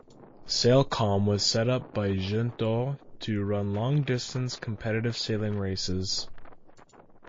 SailCom was set up by Jeantot to run long distance competitive sailing races.